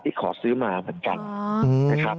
ขอซื้อมาเหมือนกันนะครับ